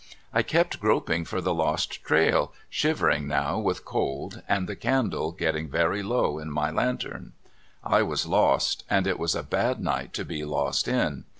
I kept groping for the lost trail, shivering now with cold, and the candle getting very low in my lan tern. I was lost, and it was a bad night to be lost in.